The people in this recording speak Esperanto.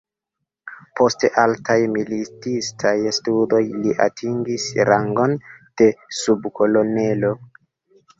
Post altaj militistaj studoj li atingis rangon de subkolonelo.